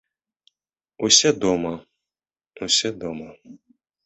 Усе дома, усе дома.